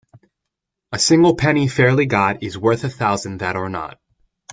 A single penny fairly got is worth a thousand that are not.